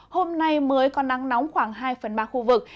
hôm nay mới có nắng nóng khoảng hai phần ba khu vực